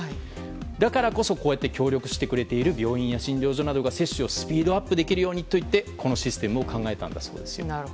だからこそ、協力してくれている病院や診療所などが接種をスピードアップできるようにとこのシステムを考えたんだそうです。